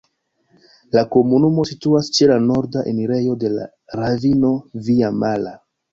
La komunumo situas ĉe la norda enirejo de la ravino Via-Mala.